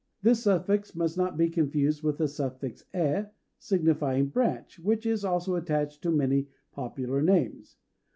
This suffix must not be confused with the suffix "ë," signifying "branch," which is also attached to many popular names.